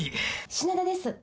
品田です。